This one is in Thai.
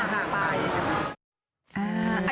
ห่างนะคะ